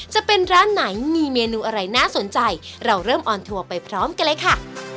จะเป็นร้านไหนมีเมนูอะไรน่าสนใจเราเริ่มออนทัวร์ไปพร้อมกันเลยค่ะ